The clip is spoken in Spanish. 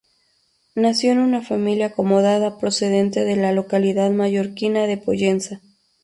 Nació en una familia acomodada procedente de la localidad mallorquina de Pollensa.